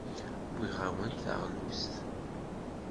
Wwiɣ-awen-d taɣlust.